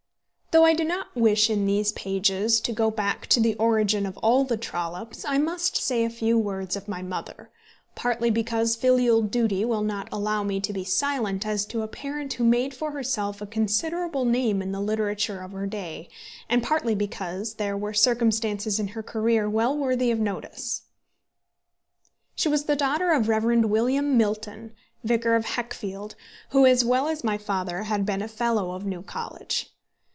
Though I do not wish in these pages to go back to the origin of all the Trollopes, I must say a few words of my mother, partly because filial duty will not allow me to be silent as to a parent who made for herself a considerable name in the literature of her day, and partly because there were circumstances in her career well worthy of notice. She was the daughter of the Rev. William Milton, vicar of Heckfield, who, as well as my father, had been a fellow of New College.